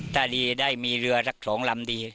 ถ้าดีได้มีเรือสัก๒ลำดี